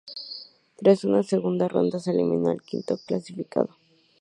Tras una segunda ronda se eliminó al quinto clasificado.